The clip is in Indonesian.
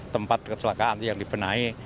tempat kecelakaan yang dibenahi